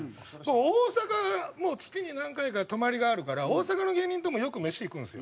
大阪もう月に何回か泊まりがあるから大阪の芸人ともよく飯行くんですよ。